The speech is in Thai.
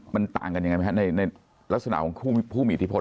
มันต่างกันยังไงไหมครับในลักษณะของผู้มีอิทธิพล